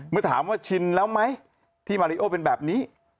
เมื่อถามว่าชินแล้วไหมที่มาริโอเป็นแบบนี้